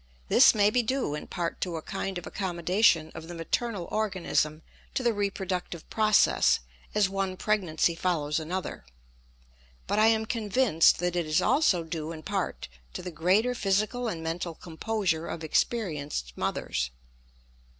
This may be due in part to a kind of accommodation of the maternal organism to the reproductive process as one pregnancy follows another; but I am convinced that it is also due in part to the greater physical and mental composure of experienced mothers.